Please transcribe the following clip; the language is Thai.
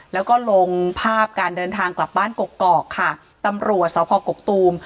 แล้วก็ลงภาพการเดินทางกลับบ้านกกอกค่ะตำรวจสพกกตูม